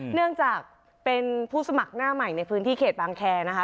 เนื่องจากเป็นผู้สมัครหน้าใหม่ในพื้นที่เขตบางแคร์นะคะ